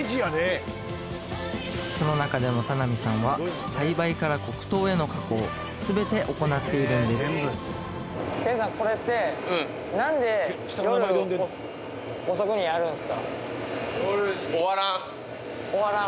その中でも田波さんは栽培から黒糖への加工全て行っているんです終わらん？